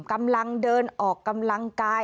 กำลังเดินออกกำลังกาย